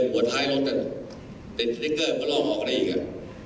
หัวท้ายรถเป็นเต็กเตอร์ก็ล่องออกกันอีกอ่ะ